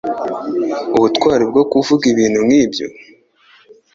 Ubutwari bwo kuvuga ibintu nkibyo.